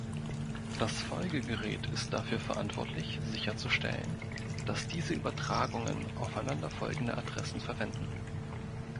Das Folgegerät ist dafür verantwortlich, sicherzustellen, dass diese Übertragungen aufeinanderfolgende Adressen verwenden.